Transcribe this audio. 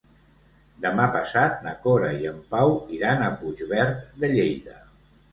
Demà passat na Cora i en Pau iran a Puigverd de Lleida.